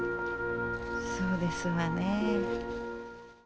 そうですわねえ。